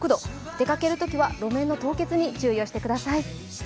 出かけるときは路面の凍結に注意をしてください。